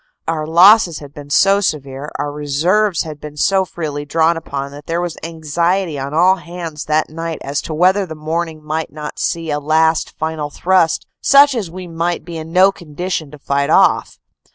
Our losses had been so severe, our reserves had been so freely drawn upon, that there was anxiety on all hands that night as to whether the morning might not see a last final thrust such as we might be in no condition to fight off.